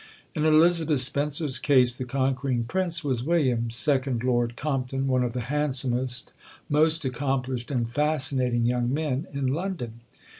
In Elizabeth Spencer's case, the conquering prince was William, second Lord Compton, one of the handsomest, most accomplished and fascinating young men in London.